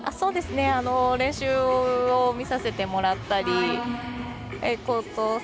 練習を見させてもらったり。